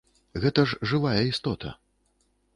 Гэта ж жывая істота.